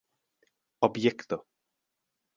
objekto